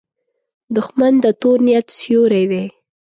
دښمن د تور نیت سیوری دی